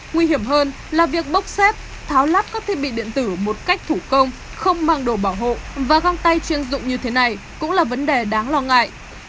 nguy hiểm hơn là việc bốc xếp tháo lắp các thiết bị điện tử một cách thủ công không mang đồ bảo hộ và găng tay chuyên dụng như thế này cũng là vấn đề đáng lo ngại